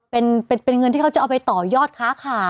เป็นเงินที่เขาจะเอาไปต่อยอดค้าขาย